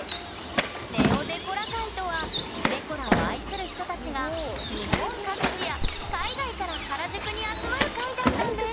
ＮＥＯデコラ会とはデコラを愛する人たちが日本各地や海外から原宿に集まる会だったんです